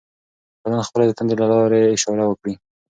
بدن خپله د تندې له لارې اشاره ورکوي.